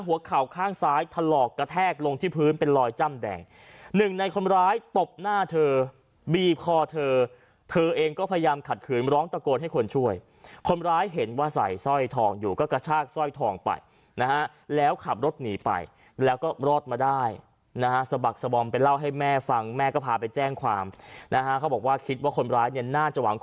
เข่าข้างซ้ายถลอกกระแทกลงที่พื้นเป็นรอยจ้ำแดงหนึ่งในคนร้ายตบหน้าเธอบีบคอเธอเธอเองก็พยายามขัดขืนร้องตะโกนให้คนช่วยคนร้ายเห็นว่าใส่สร้อยทองอยู่ก็กระชากสร้อยทองไปนะฮะแล้วขับรถหนีไปแล้วก็รอดมาได้นะฮะสะบักสะบอมไปเล่าให้แม่ฟังแม่ก็พาไปแจ้งความนะฮะเขาบอกว่าคิดว่าคนร้ายเนี่ยน่าจะหวัง